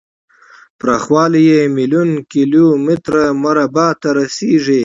پراخوالی یې میلیون کیلو متر مربع ته رسیږي.